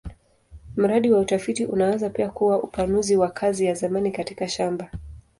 Mradi wa utafiti unaweza pia kuwa upanuzi wa kazi ya zamani katika shamba.